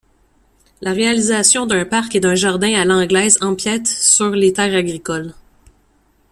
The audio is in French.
La réalisation d'un parc et d'un jardin à l'anglaise empiète sur les terres agricoles.